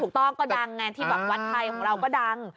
ถูกต้องก็ดังไงที่แบบวัดไทยของเราก็ดัง